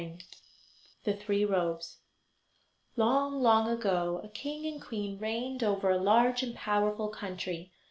] The Three Robes Long, long ago, a king and queen reigned over a large and powerful country.